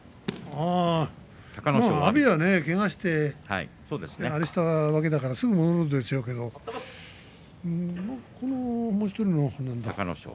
阿炎は、けがしてあれしたわけだからすぐに戻るでしょうけど隆の勝。